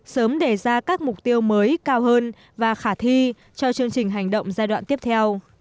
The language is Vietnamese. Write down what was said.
sớm đề ra các mục tiêu mới cao hơn và khả thi cho chương trình hành động giai đoạn tiếp theo